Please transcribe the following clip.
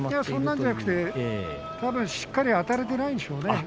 そんなんじゃなくてたぶんしっかりあたれていないんでしょうね。